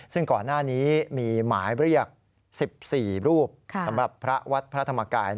ซึ่งก่อนหน้านี้มีหมายเรียก๑๔รูปสำหรับพระวัดพระธรรมกาย